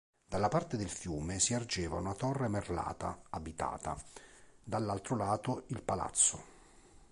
Dalla parte del fiume si ergeva una torre merlata abitata, dall'altro lato il palazzo.